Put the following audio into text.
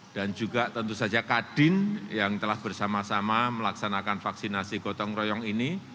dan juga tentu saja kadin yang telah bersama sama melaksanakan vaksinasi gotong royong ini